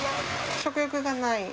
食欲がない？